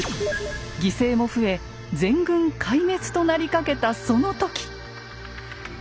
犠牲も増え全軍壊滅となりかけたその時。